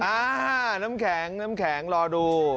อ่าน้ำแข็งน้ำแข็งรอดู